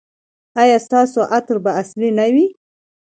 ایا ستاسو عطر به اصیل نه وي؟